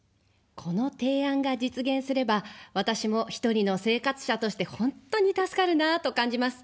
この提案が実現すれば私も１人の生活者として本当に助かるなあと感じます。